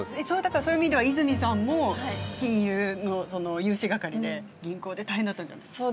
そういう意味では泉さんも金融の融資係で銀行で大変だったんじゃないですか？